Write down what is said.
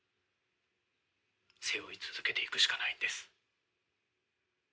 背負い続けていくしかないんです。